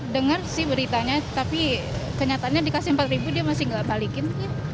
dengar sih beritanya tapi kenyataannya dikasih rp empat dia masih nggak balikin